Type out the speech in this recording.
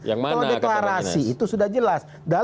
kalau deklarasi itu sudah jelas